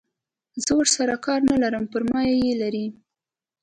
زه ورسره کار نه لرم پر ما یې لري.